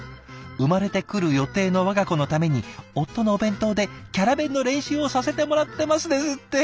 「生まれてくる予定の我が子のために夫のお弁当でキャラ弁の練習をさせてもらってます」ですって。